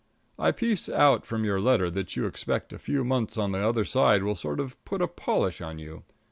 _"] I piece out from your letter that you expect a few months on the other side will sort of put a polish on you.